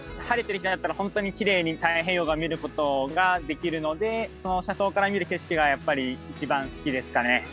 晴れてる日だったら本当にきれいに太平洋が見ることができるのでその車窓から見る景色がやっぱり一番好きですかね。